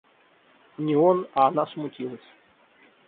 Не он, а она смутилась.